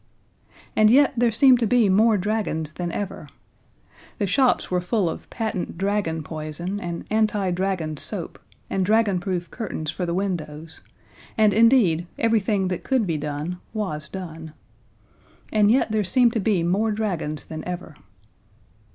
And yet there seemed to be more dragons than ever. The shops were full of patent dragon poison and anti dragon soap, and dragonproof curtains for the windows; and indeed, everything that could be done was done. And yet there seemed to be more dragons than ever.